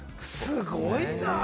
すごいな！